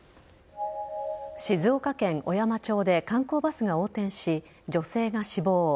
静岡県小山町で観光バスが横転し女性が死亡。